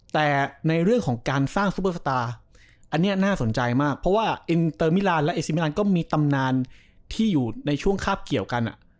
แต่ในเรื่องของการสร้างซุปเปอร์สตาร์อันนี้น่าสนใจมากเพราะว่าอินเตอร์มิลานและเอซิมิลานก็มีตำนานที่อยู่ในช่วงคาบเกี่ยวกัน